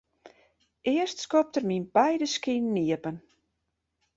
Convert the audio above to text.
Earst skopt er myn beide skinen iepen.